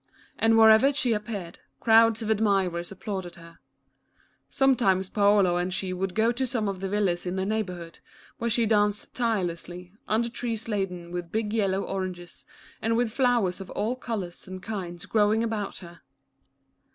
And wherever she appeared, crowds of admirers applauded her. Sometimes Paolo and she would go to some of the villas in the neighborhood, where she danced tirelessly, under trees laden with big yellow oranges, and with flowers of all colors and kinds growing about her.